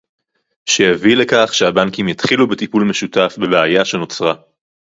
שיביא לכך שהבנקים יתחילו בטיפול משותף בבעיה שנוצרה